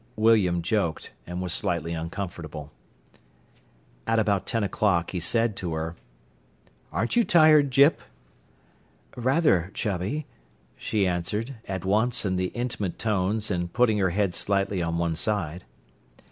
William joked, and was slightly uncomfortable. At about ten o'clock he said to her: "Aren't you tired, Gyp?" "Rather, Chubby," she answered, at once in the intimate tones and putting her head slightly on one side.